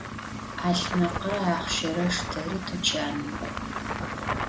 'alhmekhre axhşere şşteri tuçanım k'o!